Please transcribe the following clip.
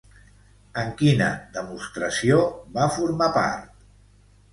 En quina demostració va formar part?